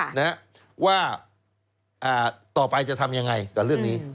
นะฮะว่าอ่าต่อไปจะทำยังไงกับเรื่องนี้